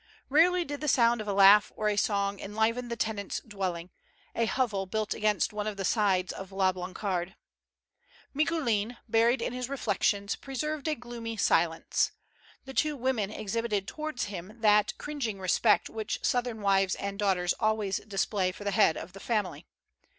Rarely did the sound of a laugh or a song enliven the tenants' dwelling, a hovel built against one of the sides of La Blancarde. Micoulin, buried in his reflections, preserved a gloomy silence. The two women exhibited towards him that cringing respect which southern wives and daughters always display for the head of the family.